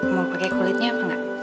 mau pakai kulitnya apa enggak